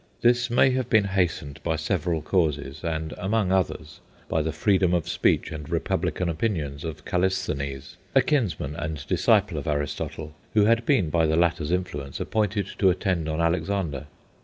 This may have been hastened by several causes, and among others by the freedom of speech and republican opinions of Callisthenes, a kinsman and disciple of Aristotle, who had been, by the latter's influence, appointed to attend on Alexander.